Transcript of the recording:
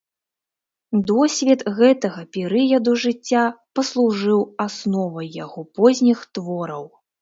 Досвед гэтага перыяду жыцця паслужыў асновай яго позніх твораў.